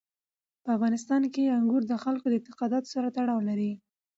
په افغانستان کې انګور د خلکو د اعتقاداتو سره تړاو لري.